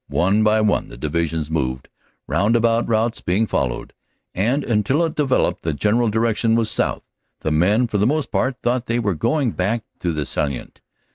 One by one the Divisions moved, roundabout routes being followed, and, until it developed the general direction was south, the men for the most part thought they were going back to the Salient.